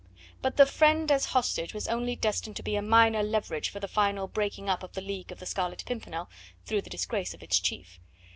But the friend as hostage was only destined to be a minor leverage for the final breaking up of the League of the Scarlet Pimpernel through the disgrace of its chief.